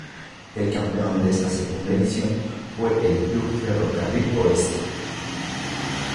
El campeón de esta segunda edición fue el Club Ferro Carril Oeste.